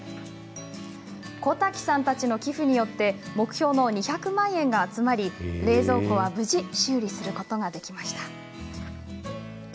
小滝さんたちの寄付によって目標の２００万円が集まり冷蔵庫は無事修理することができました。